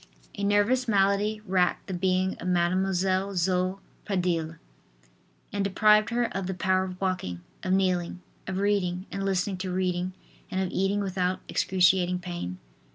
A nervous malady racked the being of Mademoiselle Zoe Pradille and deprived her of the power of walking, of kneeling, of reading and listening to reading and of eating without excruciating pain.